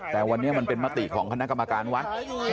แต่วันนี้มันเป็นมติของคณะกรรมการวัด